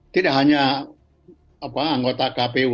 tidak hanya anggota kpu